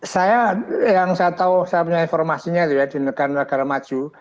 saya yang saya tahu saya punya informasinya itu ya di negara negara maju